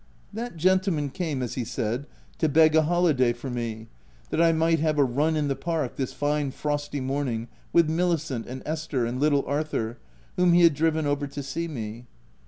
That gentleman came, as he said, to beg a holiday for me, that I might have a run in the park, this fine, frosty morning, with Milicent, and Esther, and little Arthur, whom he had driven over to see me.